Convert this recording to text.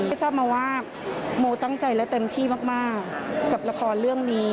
ทราบมาว่าโมตั้งใจและเต็มที่มากกับละครเรื่องนี้